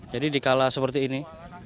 jadi dikala seperti ini